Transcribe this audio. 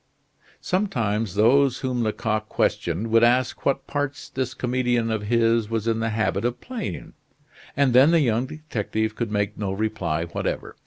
Sometimes those whom Lecoq questioned would ask what parts this comedian of his was in the habit of playing; and then the young detective could make no reply whatever.